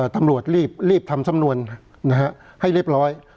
ตำรวจรีบทำสำนวนให้เรียบร้อย